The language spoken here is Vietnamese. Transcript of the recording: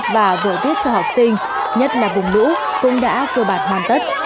và vội viết cho học sinh nhất là vùng đủ cũng đã cơ bản hoàn tất